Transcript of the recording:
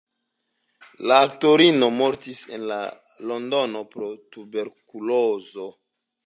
La aktorino mortis en Londono pro tuberkulozo.